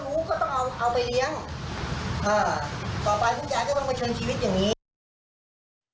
ต่อไปคุณยายก็ต้องมาเชิญชีวิตอย่างนี้